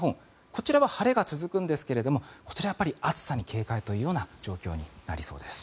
こちらは晴れが続くんですがこちらは暑さに警戒という状況になりそうです。